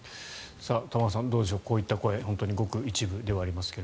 玉川さん、どうでしょうこういった声ごく一部ではありますが。